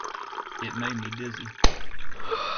It made me dizzy.